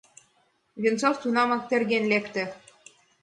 Венцов тунамак терген лекте.